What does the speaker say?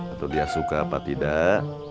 atau dia suka apa tidak